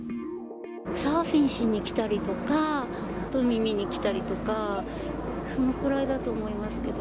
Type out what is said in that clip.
サーフィンしに来たりとか、海見に来たりとか、そのくらいだと思いますけど。